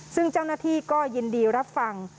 ซึ่งเจ้าหน้าที่ก็ยินดีรับฟัง